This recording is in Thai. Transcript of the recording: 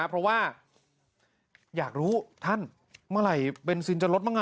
เพราะว่าอยากรู้ท่านเมื่อไหร่เบนซินจะลดบ้าง